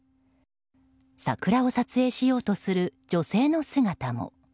桜を撮影しようとする女性の姿も。